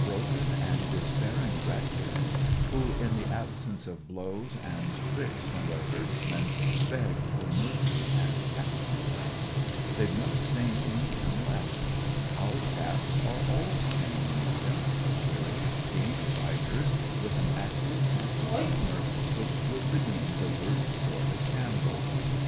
I Ml i n broken and despairing wretches who, in the absence of blows and pricks from their herdsmen, beg for mercy and capture. TheyVe no sane medium left. Our chaps are all sane medium — cheery, game fighters with an active sense of humour whic^ would redeem the worst sort of shambles.